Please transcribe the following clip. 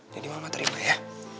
jadi mama terima ya